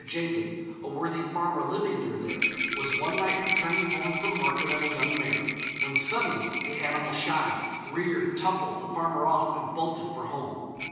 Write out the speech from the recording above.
Jenkin, a worthy farmer living near there, was one night returning home from market on a young mare, when suddenly the animal shied, reared, tumbled the farmer off, and bolted for home.